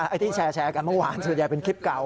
ที่แชร์กันเมื่อวานส่วนใหญ่เป็นคลิปเก่า